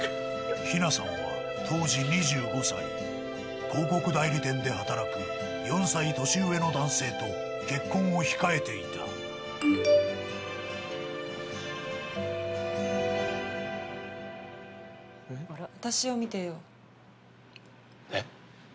姫奈さんは当時２５歳広告代理店で働く４歳年上の男性と結婚を控えていた私を見てよえっ？